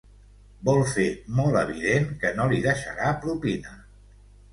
Vol fer molt evident que no li deixarà propina.